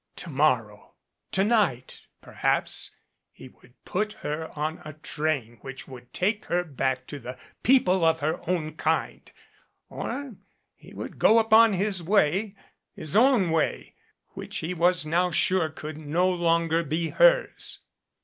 To morrow to night, perhaps he would put her on a train which would take her back to the, people of her own kind, or he would go upon his way his own way, which he was now sure could no longer be hers.